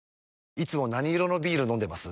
いつも何色のビール飲んでます？